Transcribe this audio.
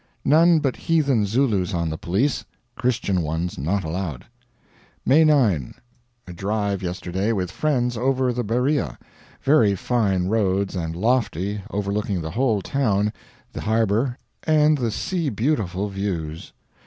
None but heathen Zulus on the police; Christian ones not allowed. May 9. A drive yesterday with friends over the Berea. Very fine roads and lofty, overlooking the whole town, the harbor, and the sea beautiful views.